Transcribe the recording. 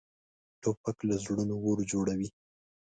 توپک له زړونو اور جوړوي.